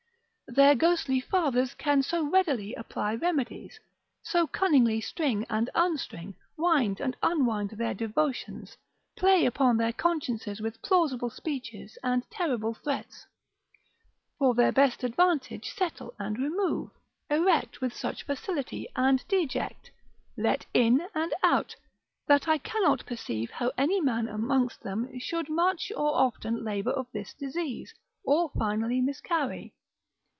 Their ghostly fathers can so readily apply remedies, so cunningly string and unstring, wind and unwind their devotions, play upon their consciences with plausible speeches and terrible threats, for their best advantage settle and remove, erect with such facility and deject, let in and out, that I cannot perceive how any man amongst them should much or often labour of this disease, or finally miscarry.